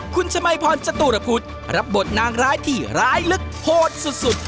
คุณชมัยพรจตุรพุทธรับบทนางร้ายที่ร้ายลึกโหดสุด